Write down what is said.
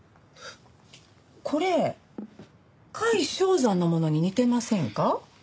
これ櫂象仙のものに似てませんか？